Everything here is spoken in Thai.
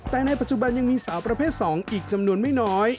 แต่ในปัจจุบันยังมีสาวประเภท๒อีกจำนวนไม่น้อย